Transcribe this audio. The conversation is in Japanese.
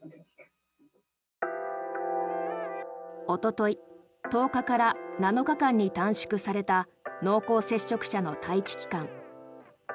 おととい１０日から７日間に短縮された濃厚接触者の待機期間。